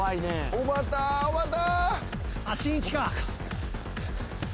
おばたおばた。